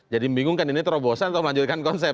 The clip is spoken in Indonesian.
jadi bingung kan ini terobosan atau melanjutkan konsep